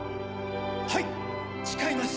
はい誓います！